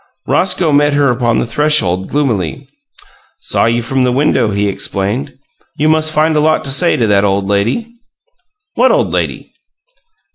Roscoe met her upon the threshold, gloomily. "Saw you from the window," he explained. "You must find a lot to say to that old lady." "What old lady?"